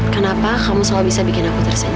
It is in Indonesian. kenapa kamu selalu bisa bikin aku tersenyu